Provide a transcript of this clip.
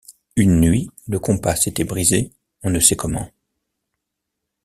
Une nuit, le compas s’était brisé on ne sait comment.